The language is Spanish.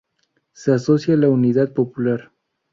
Se asocia a la Unidad Popular.